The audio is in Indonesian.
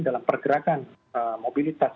dalam pergerakan mobilitas